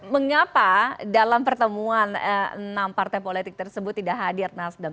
mengapa dalam pertemuan enam partai politik tersebut tidak hadir nasdem